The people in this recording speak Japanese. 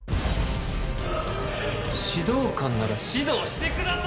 「指導官なら指導してください！」